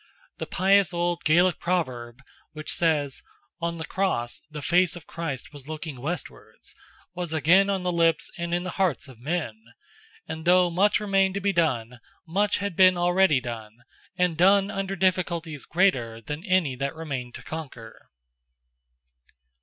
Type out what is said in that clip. The pious old Gaelic proverb, which says, "on the Cross the face of Christ was looking westwards—," was again on the lips and in the hearts of men, and though much remained to be done, much had been already done, and done under difficulties greater than any that remained to conquer.